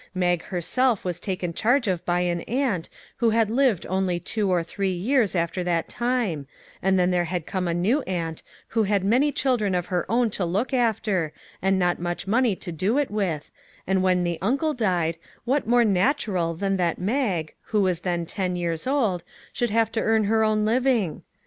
Mag herself was taken charge of by an aunt, who had lived only two or three 12 MERRY CHRISTMAS TO MAG " years after that time, and then there had come a new aunt, who had many children of her own to look after, and not much money to do it with, and when the uncle died, what more natural than that Mag, who was then ten years old, should have to earn her own living?